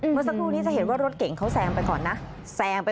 เมื่อสักครู่นี้จะเห็นว่ารถเก่งเขาแซงไปก่อนนะแซงไป